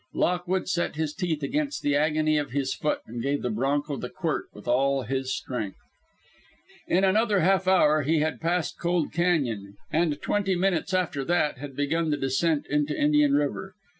Lockwood set his teeth against the agony of his foot and gave the bronco the quirt with all his strength. In another half hour he had passed Cold Cañon, and twenty minutes after that had begun the descent into Indian River.